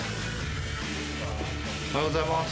おはようございます。